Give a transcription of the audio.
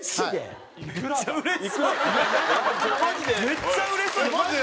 めっちゃうれしそうに。